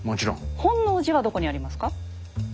本能寺はどこにありますか？